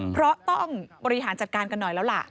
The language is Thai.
เพราะต้องบริหารจัดการกันหน่อยแล้วล่ะ